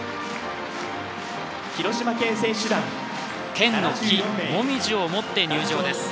県の木、モミジを持って入場です。